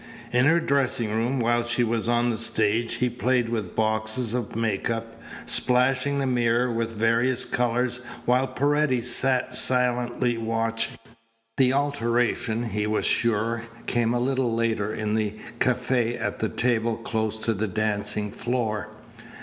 In her dressing room, while she was on the stage, he played with the boxes of make up, splashing the mirror with various colours while Paredes sat silently watching. The alteration, he was sure, came a little later in the cafe at a table close to the dancing floor.